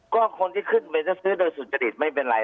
ก็คนที่ขึ้นไปถ้าซื้อโดยสุจริตไม่เป็นไร